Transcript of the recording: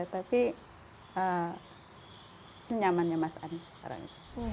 tapi senyamannya mas anies sekarang